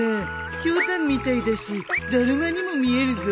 ヒョウタンみたいだしだるまにも見えるぞ。